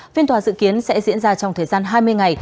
phiên tòa dự kiến sẽ diễn ra trong thời gian hai mươi ngày